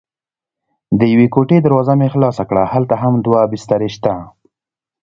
د یوې کوټې دروازه مې خلاصه کړه: هلته هم دوه بسترې شته.